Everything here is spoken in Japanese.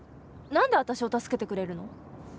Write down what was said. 何で私を助けてくれるの？